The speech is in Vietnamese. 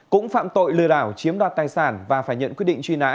cũng phạm tội lừa đảo chiếm đoạt tài sản và phải nhận quyết định truy nã